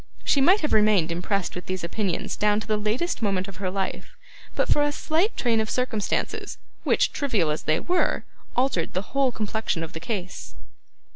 She might have remained impressed with these opinions down to the latest moment of her life, but for a slight train of circumstances, which, trivial as they were, altered the whole complexion of the case.